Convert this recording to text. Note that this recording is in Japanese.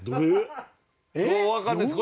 わかんないです。